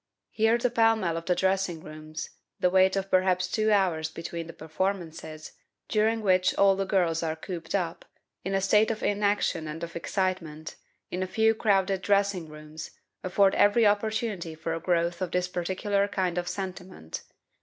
Here the pell mell of the dressing rooms, the wait of perhaps two hours between the performances, during which all the girls are cooped up, in a state of inaction and of excitement, in a few crowded dressing rooms, afford every opportunity for the growth of this particular kind of sentiment.